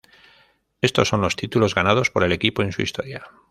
Estos son los títulos ganados por el equipo en su historia.